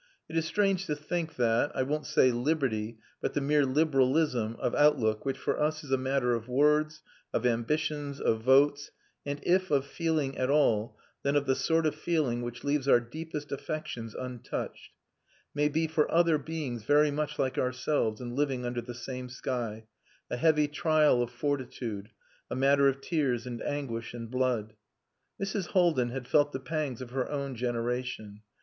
It is strange to think that, I won't say liberty, but the mere liberalism of outlook which for us is a matter of words, of ambitions, of votes (and if of feeling at all, then of the sort of feeling which leaves our deepest affections untouched), may be for other beings very much like ourselves and living under the same sky, a heavy trial of fortitude, a matter of tears and anguish and blood. Mrs. Haldin had felt the pangs of her own generation.